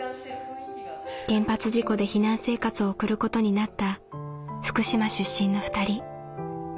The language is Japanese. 原発事故で避難生活を送ることになった福島出身の２人。